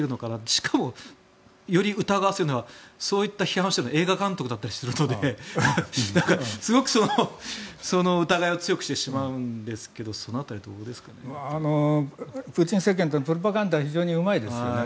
しかも、より疑わせるのはそういった批判をするのは映画監督だったりするのですごくその疑いを強くしてしまうんですけどプーチン政権はプロパガンダが非常にうまいですね。